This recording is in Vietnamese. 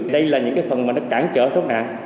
đây là những cái phần mà nó cản trở thoát nạn